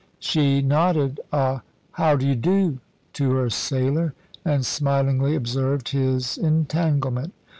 She nodded a "How d'y do?" to her sailor, and smilingly observed his entanglement.